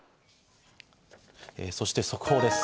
そして速報です。